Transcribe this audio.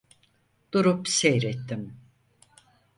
Durup seyrettim.